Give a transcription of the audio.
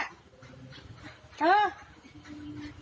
ครับ